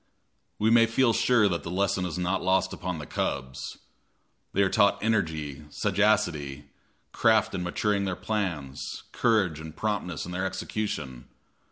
We may feel sure that the lesson is not lost upon the cubs. They are taught energy, sagacity, craft in maturing their plans, courage and promptness in their execution.